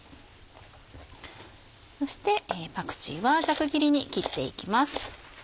そしてパクチーはざく切りに切っていきます。